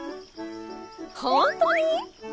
ほんとに？